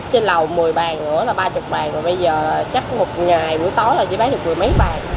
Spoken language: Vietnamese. trên lầu một mươi bàn nữa là ba mươi bàn rồi bây giờ chắc một ngày buổi tối là chỉ bán được một mươi mấy bàn